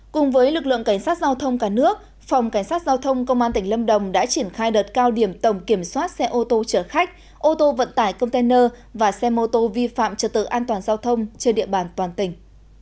cùng với lực lượng cảnh sát giao thông cả nước phòng cảnh sát giao thông công an tỉnh lâm đồng đã triển khai đợt cao điểm tổng kiểm soát xe ô tô chở khách ô tô vận tải container và xe mô tô vi phạm trật tự an toàn giao thông trên địa bàn toàn tỉnh